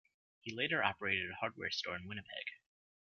He later operated a hardware store in Winnipeg.